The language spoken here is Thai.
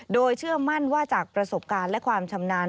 โดยเชื่อมั่นว่าจากประสบการณ์และความชำนาญ